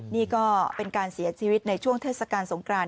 นี่ก็เป็นการเสียชีวิตในช่วงเทศกาลสงคราน